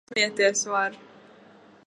Pārsmieties var!